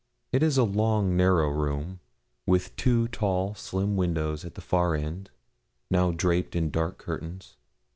It is a long, narrow room, with two tall, slim windows at the far end, now draped in dark curtains.